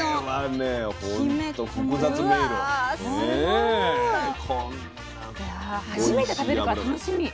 いや初めて食べるから楽しみ。